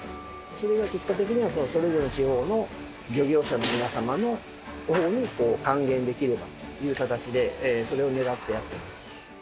それが結果的にはそれぞれの地方の漁業者の皆様の方に還元できればという形でそれを狙ってやっています。